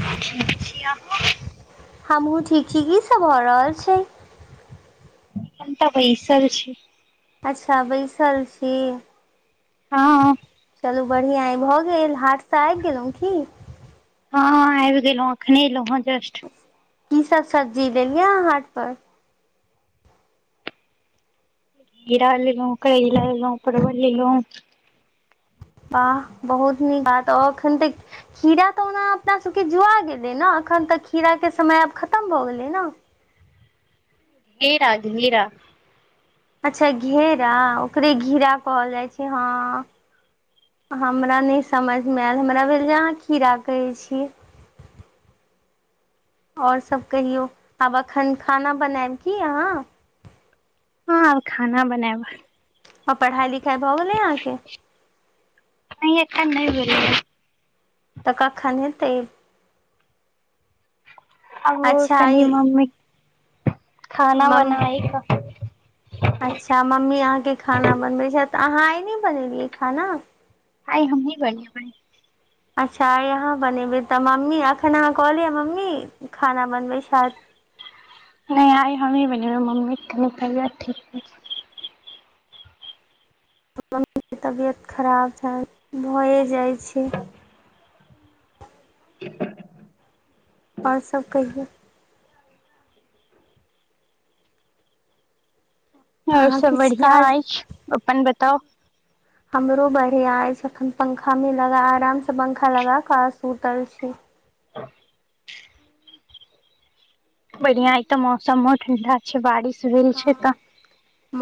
ठीक छी अहाँ की की सब भऽ रहल छै हम तँ बैसल छी अच्छा बैसल छी हँ बढ़िया भऽ गेल हाटसँ आबि गेलहुँ की हँ आबि गेलहुँ एखन एलहु हेँ जस्ट की सब सब्जी लेलिया हाट पर खीरा लेलु करैला लेलहुँ परवल लेलहुँ वाह बहुत नीक बात एखन तऽ खीरा तऽ ओना अपना सबकेँ जुआ गेलैक ने अखन तऽ खीरा क समय आब खतम भऽ गेलै न हीरा द नीरा [inaudible] अच्छा घेरा ओकरे घिरा कहल जाइत छै ह हमरा नहि समझमे आयल हमरा भेल जे अहाँ खीरा कहैत छियैक [inaudible] ओर सभ कहियौ आब एखन खाना बनायब की अहाँ हँ आब खाना बनाब ओर पढ़ाइ लिखाइ भऽ गेलै अहाँके के न तऽ कखन हेतय आ अच्छा ई कनी मम्मी खाना मम बनाइकेँ अच्छा मम्मी अहाँके खाना बनबैत छथि तऽ अहाँ आय नहि बनेलियै खाना हइ हमही बनेबनि अच्छा अहाँ बनेबय तऽ मम्मी एखन अहाँ कहलियै मम्मी खाना बनबैत छथि नहि आइ हमही बनेबय मम्मी केँ कनि तबियत ठीक नहि छैक म तबियत खराब छै भऽए जाइत छै [inaudible] [unintelligible] आओर सभ कहियो आओर अहाँ सभ किछु बढ़िआँ काज अछि अपन बताउ हमरो बढ़िआ अछि एखन पंखा मे लग आराम से पंखा लगा कऽ सुूतल छी बढ़िया एक तऽ मौसमो ठण्डा छैक बारिश भेल छै ह तऽ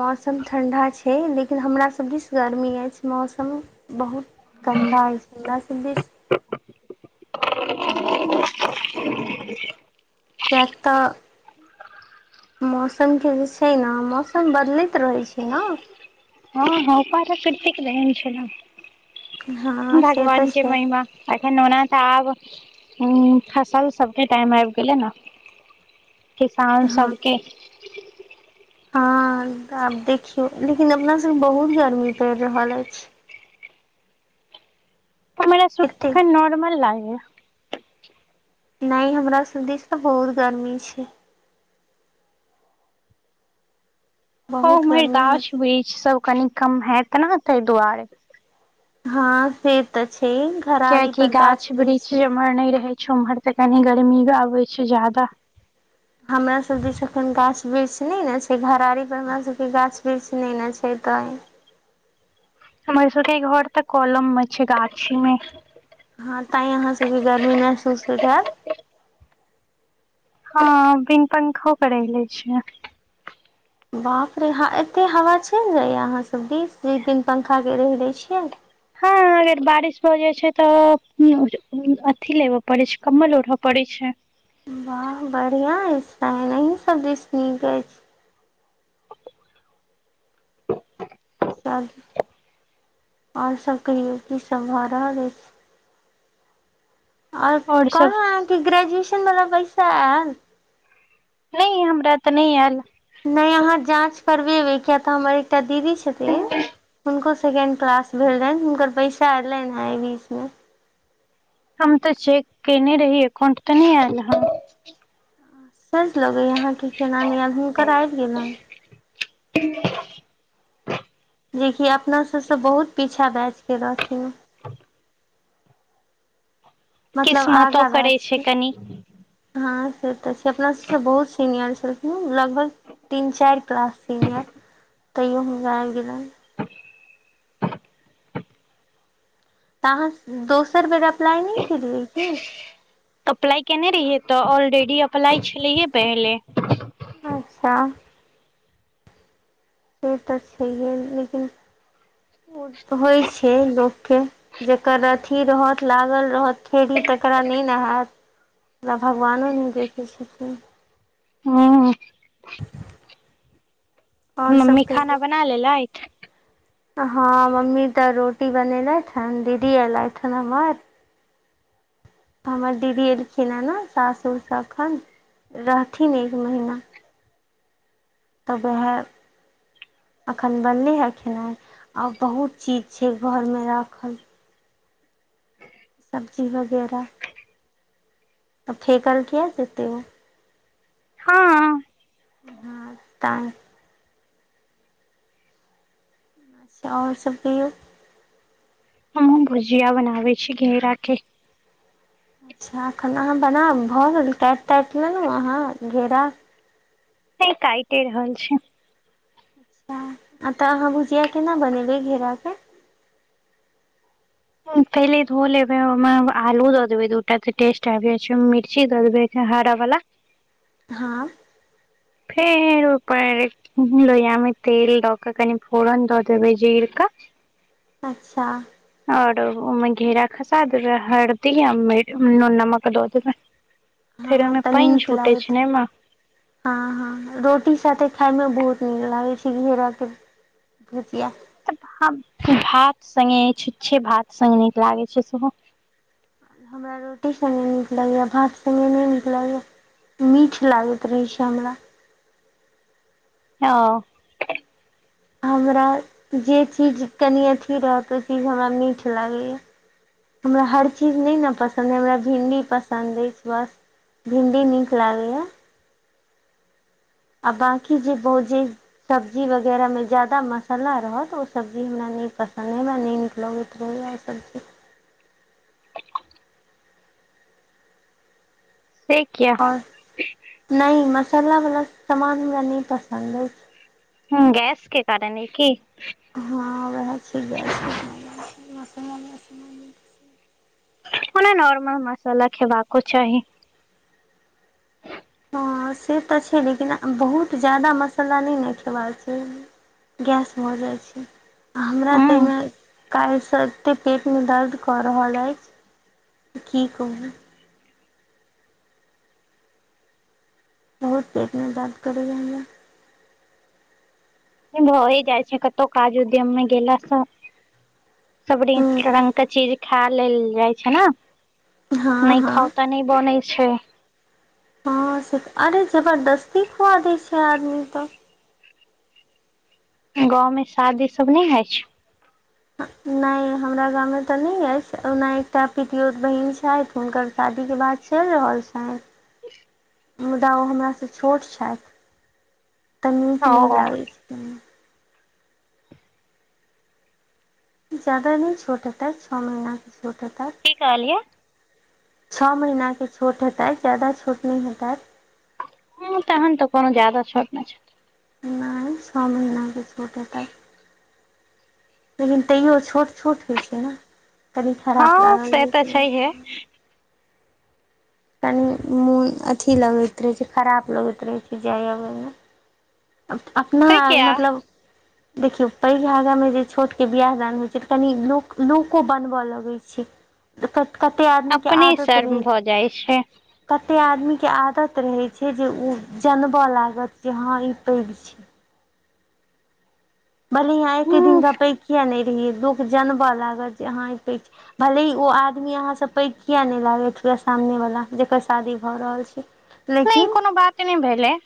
मौसम ठण्डा छै हे लेकिन हमराास दिस गर्मी अछि मौसम बहुत गन्दा अछि हमरा सब दिस [inaudible] तऽ [inaudible] मौसमकेँ जे छै ने मौसम बदलैत रहैत छै ने हँ हँ उपहार कटी के लगेने छैन्ह हँ [unintelligible] से तऽ भगवान केँ छै महिमा एखन ओना तऽब फसल सभकेँ टाइम आबि गेलै ने किसान हँ सबकेँ हँ आब देखियौ लेकिन अपना सभकेँ बहुत गर्मी पड़ि रहल अछि हमरा सुख एते तखन नॉर्मल लागे नहि हमरा दिस तऽ बहुत गर्मी छैक ह बहुत उम्हर गर्मी ह गाछ वृक्ष सब कनि कम है तेनाे ते दुआरे हँ से त छैक कियाकि गाछ वृक्ष जेमहर नहि रहैत महर तऽ कनि गर्मी आबैत छै जादा हमरा सब जे छै एखन गाछ वृक्ष ने ने छै घरारी पर हमरा सबके गाछ वृक्ष ने ने छै त हमर सबके घर तऽ कोलम मे छै गाछीमे हँ तां अहाँ सभके गर्मी महसूस हो हयत हँ बिन पंखो करै ले छ बाप रे एते हवा चलि जाैया अहाँसभ बीन पखा के रहि दै छियै ह अगर बारिश भ जाय छै तऽ अथी लेबे पड़े छै कम्बल ओढ़य पड़े छै [inaudible] वाह बढ़िआँ अछि अई सभ दिश नीक अछि चलू आओर सब कहियौ की सब भ रहल अईछ आओर कहलहुँ अहाँ कि ग्रेजुएशन वला पैसा आयल नहि हमरा तऽ नहि आयल नहि अहाँ जाँच करबेबै किया तऽ हमर एकटा दीदी छथिन हुनको सेकेंड क्लास भेल रहनि हुनकर पैसा एयलनि है अय बीच मे हम तऽ चेक केने रही एकाउंट तऽ नहि आयल ह सज लगैया अहाके केना नै आयल हुनकर आबि गेलै [inaudible] जेकि अपना सबस बहुत पीछा बैच के रहथिन मतलब किस्मतो आगा करै बैच छै के कनि से तऽ छै अपना सभसँ बहुत सीनियर छलखिन लगभग तीन चारि क्लास सीनियर तैयो हुनका आइब गेलै तऽ अहाँ दोसर बेर अप्लाइ नहि केलियै की अप्लाई केने रहियै तऽ ऑलरेडी अप्लाई छलैये पहिले अच्छा से त छैहे लेकिन होइ छै लोकके जकर अथी रहत लागल रहत खेरही तकरा नहि न हात हमरा भगवानो नहि देखै छथिन ह आओर सब मम्मी खाना कहियौ बना लेलैथ हँ मम्मी तऽ रोटी बनेलथि छन दीदी एयलथि हन हमर हमर दीदी एलखिन ह न सासुर स अखन रहथिन एक महीना तबे ह अखन बनलै हए खेनाइ आ बहुत चीज छै घरमे राखल सबजी वगैरह त फेेकल कै देतै हँ हँ काम अच्छा आओर सब कहियौ हमहु भुजिया बनाबै छी घेरा केे अच्छा अखन अहाँ बना भऽ गेल काटि ताटि लेलहुँ अहाँ घेरा हइ काइटे रहल छी अच्छा आ तऽ अहाँ भुजिया केना बनेबै घेराके पहिले धो लेबै ओमे आलू दऽ देबै दूटा तऽ टेस्ट आब छै मिर्ची द देबे हरा वला हँ फेर ऊपर लोहिया मे तेल दऽ क कनि फोरन दऽ देबै जीर के अच्छा आओर ओहि घेरा खसा देबै हरदी आ नुन नमक दऽ देबै फेर हँ ओहिमे त पानि नीक छूटे लागत छै ने ओहिमे हँ हँ रोटी साथे खाय मे बहुत नीक लागे छै घेरा के भुजिया तऽ भात संगे छुछे भात संग नीक लागैत छै सेहो हमरा रोटी संगे नीक लागैया भात संगे नहि नीक लागैत अछि मीठ लागैत रहय छै हमरा हँ हमरा जे चीज कनि अथि रहत ओ चीज हमरा मीठ लागैया हमरा हर चीज नहि न पसन्द अछि हमरा भिनडी पसन्द अछि बस भिन्डी निक लागैत या आ बाकी जे बहु जे सब्जी वगैरह मे जादा मसला रहत ओ सब्जी हमरा नै पसन्दे भेल न नीक लोग उतर आ सबजी से किया आओर नहि मसालावला सामान हमरा नहि पसन्द अछि ह गैस कें कारण अइ कि हँ उहा छै गैस ओना नॉर्मल मसाला खेबाक चाही हँ से तऽ छैक लेकिन बहुत ज्यादा मसाला नहि न खयबाक चाहि गैस भऽ जाइत छैक हमरा ह ताहिमे काल्हिसँ एते पेटमे दर्द कऽ रहल अछि की क बहुत पेटमे दर्द करैए हमरा भए जाइ छै कतहु काज उद्यममे गेलासँ सब रंग हूँ केँ चीज खा लेल जाइत छैक ने हँ नहि खाव त नहि बनैत छै हँं से तऽ अरे जबरदस्ती खुआ दैत छै आदमी तऽ गाँवमे शादी सभ नहि अछि नहि हमरा गाममे तऽ नहि अछि ओना एकटा पितियोत बहिन छथि हुनकर साथ शादी केँ बात चलि रहल छनि ओ [inaudible] मुदा ओ हमरासँ छोट छथि तऽ नीक नहि ओ लागैत छथि जादा नहि छोट हेतैत छओ महीनेकेँ छोट हेतैत की कहलियै छओ महीना केँ छोट हेतैत जादा छोट नहि हेताै ह तहन तऽ कोनो जदा छोट नहि छथि नहि छओ महीनाकेँ छोट लेकिन तैओ छोट छोट होइ छै ने कनि खराब हँ लागल से नहि तऽ छैहे छै कनि मोन अथि लगैत रहै छै खराब लगैत रहै छै जाय अबयमे से अपना किया मतलब देखियौ पैघ आगामे जे छोटकेँ बियाह दान होइत छै तऽ कनि लोको बनबय लगैत छै कत कत्ते आदमी के अपने आदत रहै शर्म भऽ जाइ छै कत एतेक आदमीकेँ आदत रहैशय छै जे ओ जनबऽ लागत जे हँ ई अग छी [unintelligible] भले यहाँ एक ह दिनका पैघ किया नहि लोक जानबऽ लागत जे हां ई कह छी भले ओ आदमी अहाँ सब पैघ किया नहि लागैत पूरा सामने वाला जेकर शादी भऽ रहल छै नहि लेकिन कोनो बाते नहि भेलै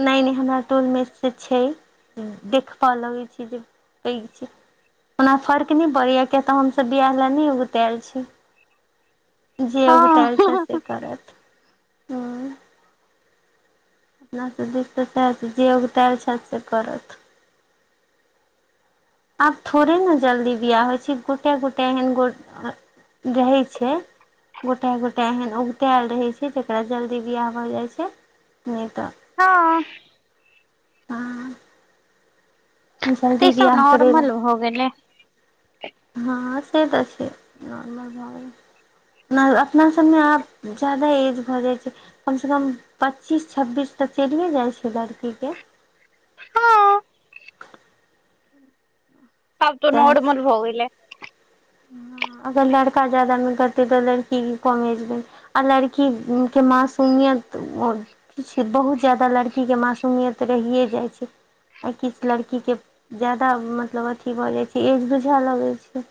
नहि नहि हमरा टोल मेच से छैक देखबय लगय छै जे पैघ छैक ओना फर्क नहि पड़ैए किय तऽ हमसभ बियाह लए नहि ओगतायल छी जे हँ ओगतायल छै से करत ह अपना त दिकत जे उगत छथि से करत आब थोड़े ने जल्दी बिआह होइत छै गोटे गोटे एहन गो रहै छै [unintelligible] गोटाए गोटा एहन औगतायल रहै छै जकरा जल्दी बियाह भऽ जाइ छै नहि तऽ हँ हँ तै जल्दी सब बियाह करै नॉर्मल लए भऽ गेलै हँ से त छै नॉर्मल भऽ गेलै नै अपना सबमे आब जादा एज भऽ जाइ छै कम से कम पच्चीस छब्बीस चलिये जाइ छै लड़की केँ हँ आब तऽ नॉर्मल भऽ गेलै हँ अगर लड़का ज्यादा मे करते तऽ लड़की कम एज मे आ लड़की केँ मासूमियत तऽ ओ बहुत ज्यादा लड़की केँ मासूमियत रहिए जाइ छै आ किछु लड़कीके ज्यादा मतलब अथी भऽ जाइ छै एज बुझाय लगैत छै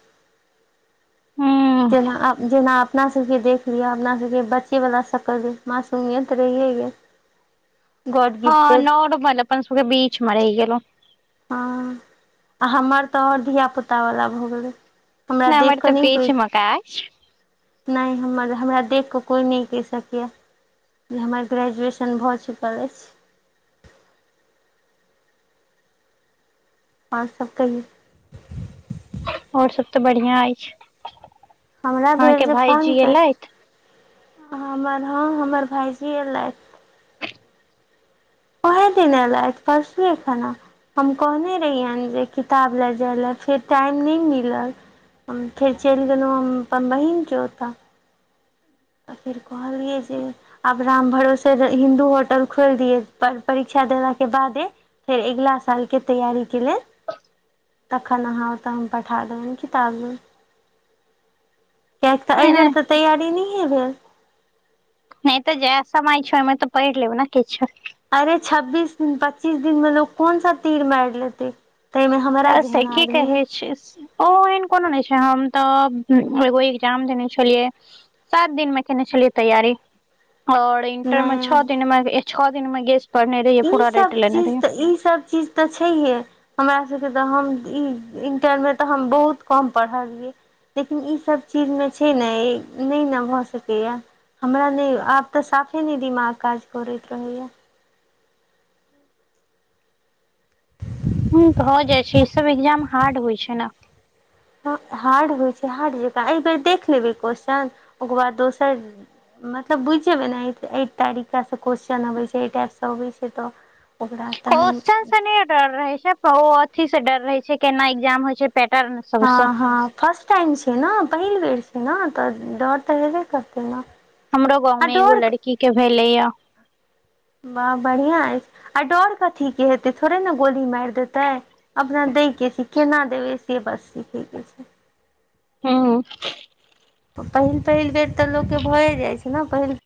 ह जेना आब जेना आब अपना सबके देख लिय अपना सबके बच्चे बला शकल ऐ मासूमियत रहिये गेल [inaudible] हँ गिफ्टेड नौड भेल अपन सभकेँ बीच मे रहि गेलै हँ आ हमर तऽ आओर धियापुता वला भऽ गेलै हमरा नहि देख हमर तऽ कऽ नै बीच कोइ मे का अछि नहि हमर हमरा देखि कऽ कोइ नहि कहि सकैए जे हमर ग्रेजुएशन भऽ चुकल अछि आओर सभ कहियो आओर सब तऽ बढ़िआँ अछि हमरा भेल अहाँके जे फोन भायजी कर एलथि हमर हँ हमर भायजी एलथि ओहे दिन छलैथ परसूए खना हम कहने रहियनि जे किताब लए जाय लए फेर टाइम नहि मिलत हम फेर चलि गेलहुँ हम अपन बहीनके ओतय फिर कहलियै जे आब राम भरोसे हिन्दू होटल खोलि दियौ परीक्षा देला के बादे फेर अगिला साल के तैयारी के लेल तखन अहाँ ओतय हम पठा देबनि किताबमे कियकि तऽ एहि नहि बेेर नहि तऽ तैयारी नहिये भेल नहि तऽ जेह समय छै ओहिमे तऽ पढ़ि लेब ने किछु अरे छब्बीस दिन पच्चीस दिनमे लोक कोन सा तीर मारि लेतै ताहिमे हमरा तऽ जेहन की आदमी कहै छिये से ओ एहन कोनो नहि छै हम तब एगो एग्जाम देने छलियै सात दिन मे केने छलियै तैयारी और इंटर मे छओ नहि दिन मे छओ दिन मे गेस्ट ई सब चीज तऽ ई सब चीज तऽ छैहे हमरा सबके तऽ हम ई इंटर मे तऽ हम बहुत कम पढ़लियै लेकिन ईसभ चीजमे छै ने नहि ने भऽ सकैए हमरा नहि आब तऽ साफे नहि दिमाग काज करैत रहैया ह [inaudible] हँ भऽ जाइ छै ई सब एग्जाम हार्ड होइ छै ने हार्ड होइ छै हार्ड जकाँ एहिबर देख लेबै क्वेश्चन ओकर बाद दोसर मतलब बुझि जेयबै ने एहि तरीकासँ क्वेेश्चन अबैत छै एहि टाइपसँ अबैत छै तऽ ओकरा तहन कोश्चन से नै डर रहे छै ओ अथी से डर रहे छै केना एग्जाम होइ छै पैटर्न सबसँ हँ हँ फर्स्ट टाइम छै ने पहिल बेर तऽ डौर तऽ हेेबे करतै न हमरो गाँवमे एगो लड़कीके भेलैए वाह बढ़ियां अछि आ डर कथी के हेतै थोड़े ने गोली मारि देतै अपना दै के सीखे न देबै से बस सीखैके छै हँ पहिल पहिल बेर तऽ लोककेँ भए जाइत छै ने पहिल